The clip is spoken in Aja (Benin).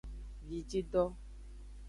Vijido.